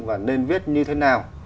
và nên viết như thế nào